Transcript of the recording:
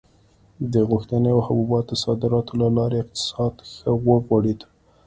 د غوښې او حبوباتو صادراتو له لارې اقتصاد ښه وغوړېد.